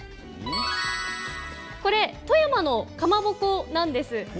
これ、富山のかまぼこなんです。